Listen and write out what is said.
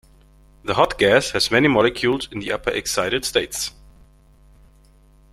The hot gas has many molecules in the upper excited states.